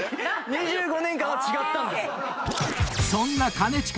２５年間は違ったんです。